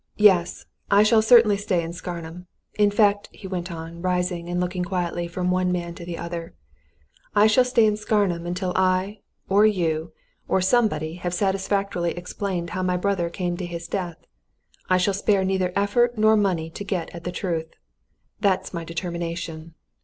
"Yes, I shall certainly stay in Scarnham. In fact," he went on, rising and looking quietly from one man to the other, "I shall stay in Scarnham until I, or you, or somebody have satisfactorily explained how my brother came to his death! I shall spare neither effort nor money to get at the truth that's my determination!"